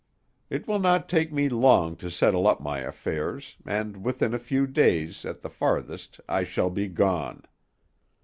It will not take me long to settle up my affairs, and within a few days, at the farthest, I shall be gone."